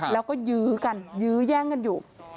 แล้วก็ยื้อกันยื้อแย่งกันอยู่